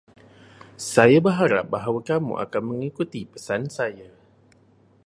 Saya berharap bahawa kamu akan mengikuti pesan saya.